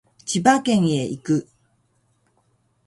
千葉県へ行く